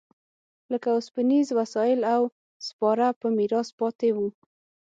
لکه اوسپنیز وسایل او سپاره په میراث پاتې و